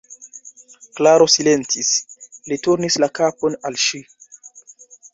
Klaro silentis; li turnis la kapon al ŝi.